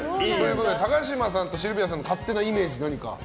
高嶋さんとシルビアさんの勝手なイメージは？